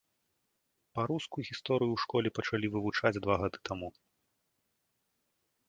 Па-руску гісторыю ў школе пачалі вывучаць два гады таму.